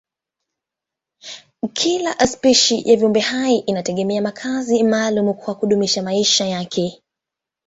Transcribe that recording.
Kila spishi ya viumbehai inategemea makazi maalumu kwa kudumisha maisha yake.